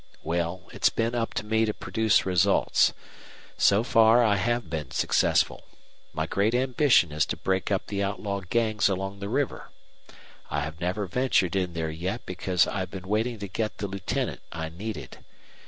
Well, it's been up to me to produce results. So far I have been successful. My great ambition is to break up the outlaw gangs along the river. I have never ventured in there yet because I've been waiting to get the lieutenant I needed.